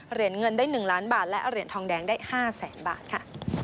เหรียญเงินได้๑ล้านบาทและเหรียญทองแดงได้๕แสนบาทค่ะ